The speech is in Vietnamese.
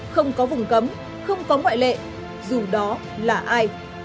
không có vùng cấm không có ngoại lệ dù đó là ai